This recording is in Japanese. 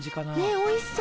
おいしそう！